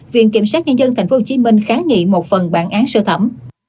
viện kiểm sát nhân dân tp hcm kháng nghị một phần bản án sơ thẩm